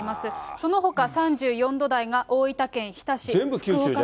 そのほか３４度台が大分県日田市。